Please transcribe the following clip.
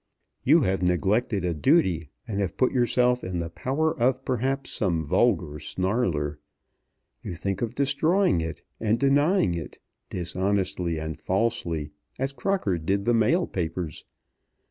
You have neglected a duty, and have put yourself in the power of perhaps some vulgar snarler. You think of destroying it and denying it, dishonestly and falsely, as Crocker did the mail papers.